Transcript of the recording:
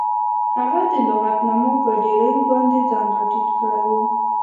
هغه د لغتنامو په ډیریو باندې ځان راټیټ کړی و